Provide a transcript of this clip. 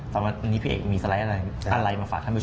ตอนนี้พี่เอกมีสไลด์อะไรมาฝากท่านผู้ชม